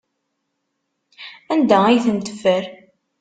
Anda ay ten-teffer?